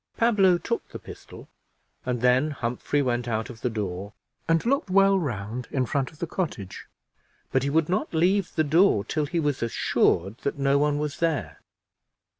Pablo took the pistol, and then Humphrey went out of the door and looked well round in front of the cottage, but he would not leave the door till he was assured that no one was there.